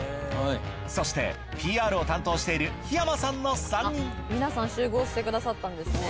そしてＰＲを担当している檜山さんの３人皆さん集合して下さったんですね。